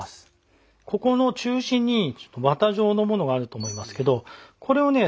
ここの中心にワタ状のものがあると思いますけどこれをね